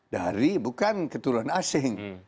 dari bukan keturunan asing